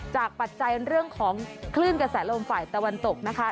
ปัจจัยเรื่องของคลื่นกระแสลมฝ่ายตะวันตกนะคะ